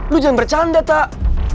lu jangan bercanda tak